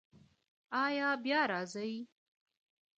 ایا بیا راځئ؟